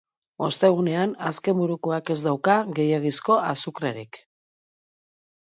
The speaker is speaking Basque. Ostegunetan azkenburukoak ez dauka gehiegizko azukrerik.